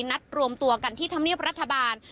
นัดรวมตัวกันที่ธรรมเนียบรัฐบาล